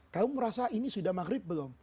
kamu merasa ini sudah maghrib belum